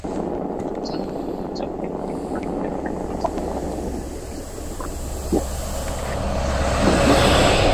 这个广场得名于波希米亚的主保圣人圣瓦茨拉夫。